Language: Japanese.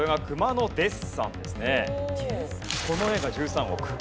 この絵が１３億。